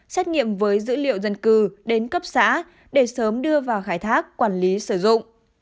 xét nghiệm với dữ liệu dân cư đến cấp xã để sớm đưa vào khai thác quản lý sử dụng